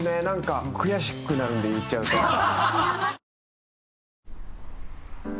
なんか悔しくなるんで言っちゃうと。